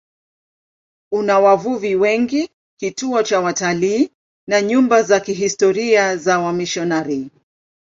Una wavuvi wengi, kituo cha watalii na nyumba za kihistoria za wamisionari.